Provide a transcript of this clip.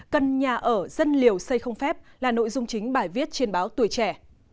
cần nhà ở dân liều xây không phép là nội dung chính bài viết trên báo tuổi trẻ